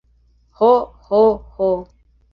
Ho, ho, ho!